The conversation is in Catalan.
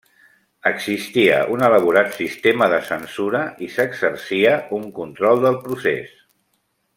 Existia un elaborat sistema de censura i s'exercia un control del procés.